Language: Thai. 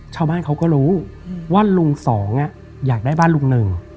ชาวบ้านเขาก็รู้ว่าลุงสองอยากได้บ้านลุงหนึ่ง